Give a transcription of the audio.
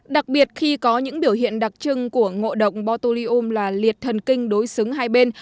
đặc biệt khi có những biểu hiện đặc trưng của ngộ độc botulium là liệt thần kinh đối xứng hai bên